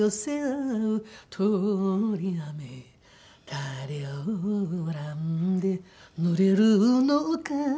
「誰を恨んで濡れるのか」